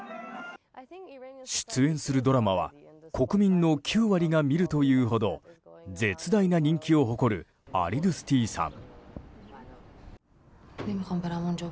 出演するドラマは国民の９割が見るというほど絶大な人気を誇るアリドゥスティさん。